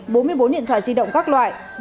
bốn mươi bốn điện thoại di động các loại